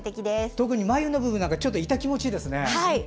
特に眉の部分なんか痛気持ちいいですね。